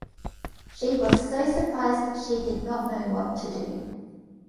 She was so surprised she did not know what to do.